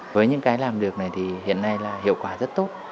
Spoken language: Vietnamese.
với những cái làm được này thì hiện nay là hiệu quả rất tốt